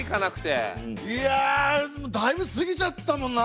いやだいぶ過ぎちゃったもんな。